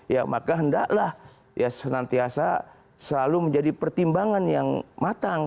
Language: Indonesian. ya maka hendaklah ya senantiasa selalu menjadi pertimbangan yang matang